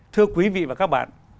thưa quý vị và các bạn